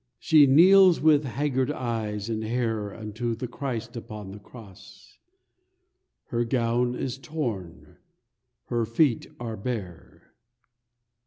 She kneels with haggard eyes and hair Unto the Christ upon the Cross: Her gown is torn; her feet are bare.